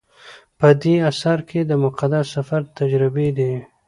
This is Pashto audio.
په دې اثر کې د مقدس سفر تجربې دي.